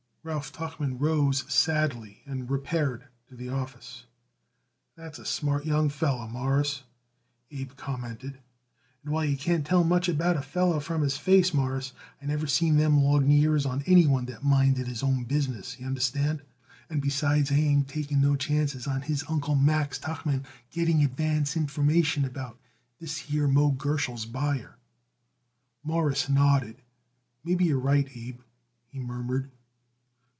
Ralph Tuchman rose sadly and repaired to the office. "That's a smart young feller, Mawruss," Abe commented, "and while you can't tell much about a feller from his face, Mawruss, I never seen them long ears on anyone that minded his own business, y'understand? And besides, I ain't taking no chances on his Uncle Max Tuchman getting advance information about this here Moe Gerschel's buyer." Morris nodded. "Maybe you're right, Abe," he murmured.